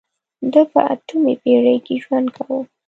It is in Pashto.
ده په اتمې پېړۍ کې ژوند کاوه.